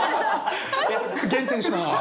減点します。